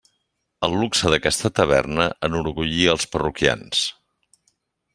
El luxe d'aquesta taverna enorgullia els parroquians.